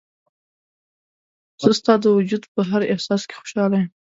زه ستا د وجود په هر احساس کې خوشحاله یم.